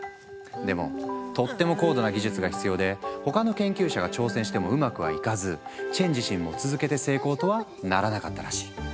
でもとっても高度な技術が必要で他の研究者が挑戦してもうまくはいかずチェン自身も続けて成功とはならなかったらしい。